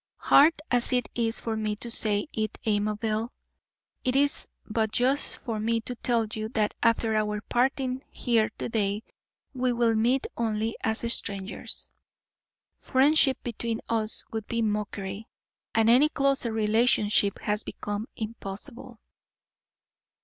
"Hard as it is for me to say it, Amabel, it is but just for me to tell you that after our parting here to day we will meet only as strangers. Friendship between us would be mockery, and any closer relationship has become impossible."